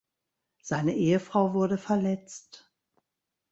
Seine Ehefrau wurde verletzt.